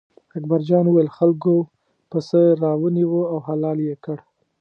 اکبر جان وویل: خلکو پسه را ونیوه او حلال یې کړ.